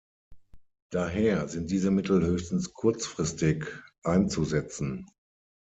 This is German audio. Daher sind diese Mittel höchstens kurzfristig einzusetzen.